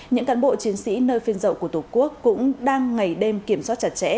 những cán bộ chiến sĩ nơi phiên dậu của tổ quốc cũng đang ngày đêm kiểm soát chặt chẽ